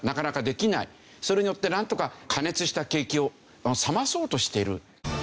それによってなんとか過熱した景気を冷まそうとしている。